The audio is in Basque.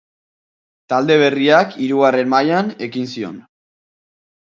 Talde berriak hirugarren mailan ekin zion.